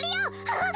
あっ！